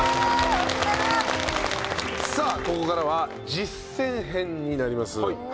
さあここからは実践編になります。